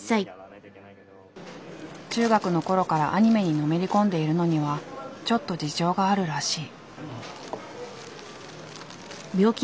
中学のころからアニメにのめり込んでいるのにはちょっと事情があるらしい。